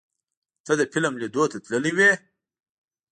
ته د فلم لیدو ته تللی وې؟